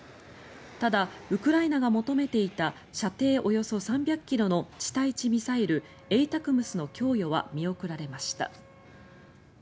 ただ、ウクライナが求めていた射程およそ３００ｋｍの地対地ミサイルＡＴＡＣＭＳの供与は見送られました。